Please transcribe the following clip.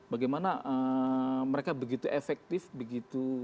bagaimana mereka begitu efektif begitu